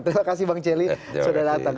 terima kasih bang celi sudah datang